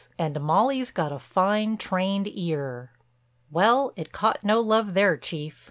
And Molly's got a fine, trained ear." "Well, it caught no love there, Chief.